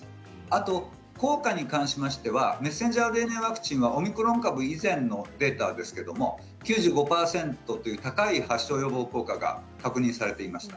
あと効果に関してはメッセンジャーＲＮＡはオミクロン株以前のデータですけど９５％と高い発症予防効果が確認されています。